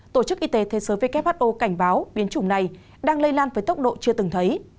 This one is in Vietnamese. tổ chức y tế thế giới who cảnh báo biến chủng này đang lây lan với tốc độ chưa từng thấy